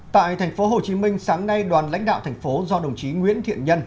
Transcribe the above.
tại thành phố hồ chí minh sáng nay đoàn lãnh đạo thành phố do đồng chí nguyễn thiện nhân